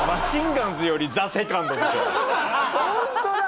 ホントだ！